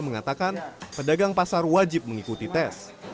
mengatakan pedagang pasar wajib mengikuti tes